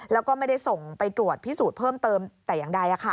แล้วก็ไม่ได้ส่งไปตรวจพิสูจน์เพิ่มเติมแต่อย่างใด